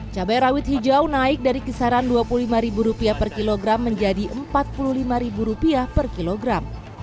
cabai rawit hijau naik dari kisaran rp dua puluh lima per kilogram menjadi rp empat puluh lima per kilogram